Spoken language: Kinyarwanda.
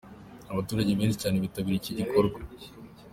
Abaturage benshi cyane bitabiriye iki gikorwa.